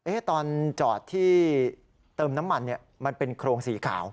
ตอนจอดที่เติมน้ำมันเนี่ยมันเป็นโครงสีขาว